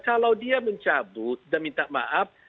kalau dia mencabut dan minta maaf